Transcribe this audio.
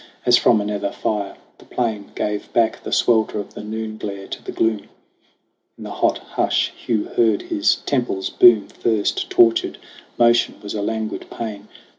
As from a nether fire, the plain gave back The swelter of the noon glare to the gloom. In the hot hush Hugh heard his temples boom. Thirst tortured. Motion was a languid pain.